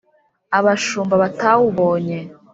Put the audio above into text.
Abashumba batawubonye